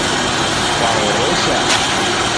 Kwahoresha?